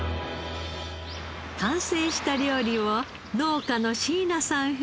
完成した料理を農家の椎名さん